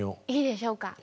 いいでしょうか？